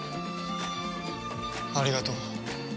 ありがとう。